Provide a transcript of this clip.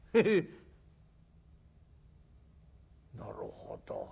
なるほど。